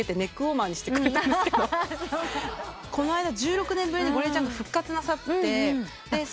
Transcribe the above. この間１６年ぶりにゴリエちゃんが復活なさって。